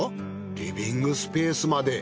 リビングスペースまで。